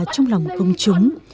trong lòng công chúng